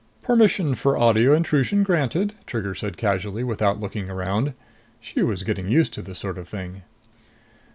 "Permission for audio intrusion granted," Trigger said casually without looking around. She was getting used to this sort of thing.